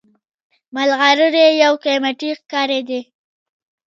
ملغلرې یو قیمتي کاڼی دی